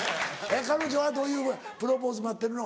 彼女はどういうプロポーズ待ってるの？